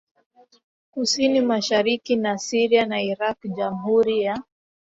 kusini mashariki na Syria na Iraq Jamhuri ya